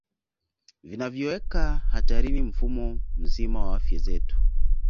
Vinavyoweka hatarini mfumo mzima wa afya zetu